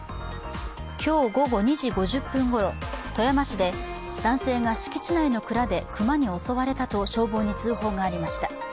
今日午後２時５０分ごろ、富山市で男性が敷地内の蔵で熊に襲われたと消防に通報がありました。